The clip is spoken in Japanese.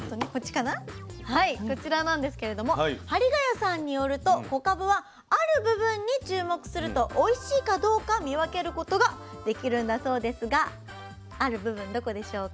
こちらなんですけれども張ヶ谷さんによると小かぶはある部分に注目するとおいしいかどうか見分けることができるんだそうですがある部分どこでしょうか？